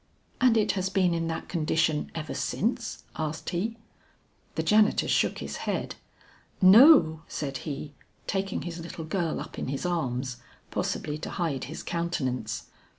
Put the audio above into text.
"And it has been in that condition ever since?" asked he. The janitor shook his head. "No," said he, taking his little girl up in his arms, possibly to hide his countenance.